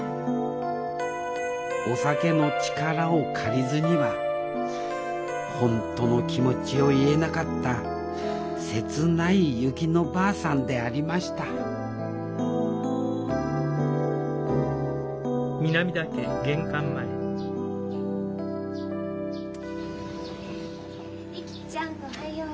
お酒の力を借りずには本当の気持ちを言えなかった切ない薫乃ばあさんでありましたリキちゃんおはよう。